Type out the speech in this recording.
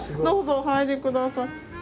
どうぞお入りください。